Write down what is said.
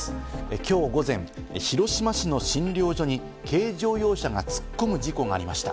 きょう午前、広島市の診療所に軽乗用車が突っ込む事故がありました。